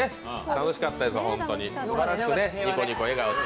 楽しかったです、本当にニコニコ笑顔で。